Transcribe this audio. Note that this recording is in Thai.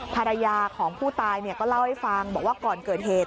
ภรรยาของผู้ตายก็เล่าให้ฟังบอกว่าก่อนเกิดเหตุ